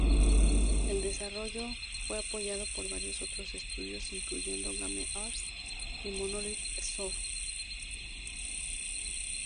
El desarrollo fue apoyado por varios otros estudios, incluyendo Game Arts y Monolith Soft.